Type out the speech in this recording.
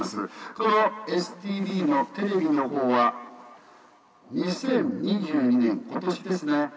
このＳＴＶのテレビの方は２０２２年今年ですね